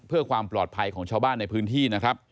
เพื่อความปลอดภัยของชาวบ้านในพื้นที่นะครับ